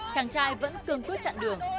không có điện thoại của cháu